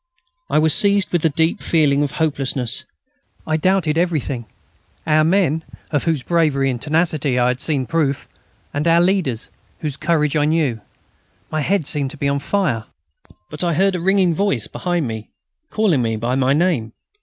I was seized with a deep feeling of hopelessness. I doubted everything; our men, of whose bravery and tenacity I had just seen proof; and our leaders, whose courage I knew. My head seemed to be on fire. But I heard a ringing voice behind me, calling me by my name.